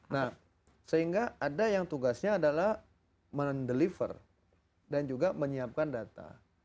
nah sehingga ada yang tugasnya adalah mendeliver dan juga menyiapkan data